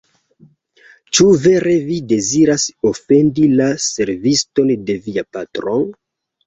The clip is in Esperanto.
Ĉu vere vi deziras ofendi la serviston de via patro?